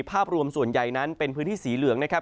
ภาพรวมส่วนใหญ่นั้นเป็นพื้นที่สีเหลืองนะครับ